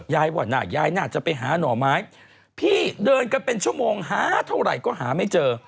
ว่ายายน่าจะไปหาหน่อไม้พี่เดินกันเป็นชั่วโมงหาเท่าไหร่ก็หาไม่เจอ